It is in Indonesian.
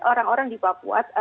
orang orang di papua